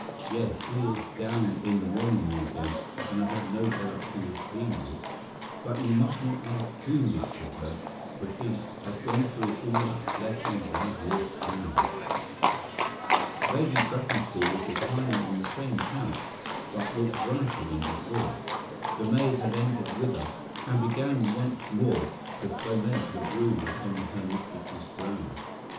Yes, she is down in the morning room again, and I have no doubt she will see you, but you must not ask too much of her, for she has gone through all that flesh and blood will stand." Lady Brackenstall was reclining on the same couch, but looked brighter than before. The maid had entered with us, and began once more to foment the bruise upon her mistress's brow.